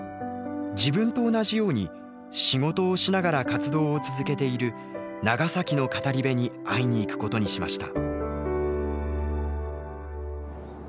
自分と同じように仕事をしながら活動を続けている長崎の語り部に会いに行くことにしました。